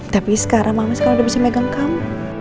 tapi sekarang mama sekarang udah bisa megang kamu